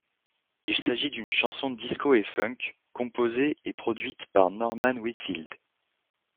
Il s'agit d'une chanson disco & funk, composé et produite par Norman Whitfield.